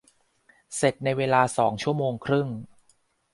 เสร็จในเวลาสองชั่วโมงครึ่ง